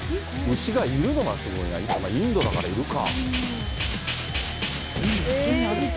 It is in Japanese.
牛がいるのがすごい、インドだからいるか。